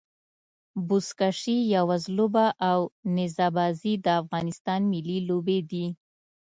بزکشي يا وزلوبه او نيزه بازي د افغانستان ملي لوبي دي.